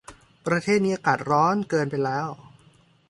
ประเทศนี้อากาศจะร้อนเกินไปแล้ว